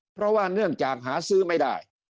เพราะว่าเนื่องจากหาซื้อไม่ได้